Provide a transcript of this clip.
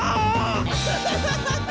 アハハハハ！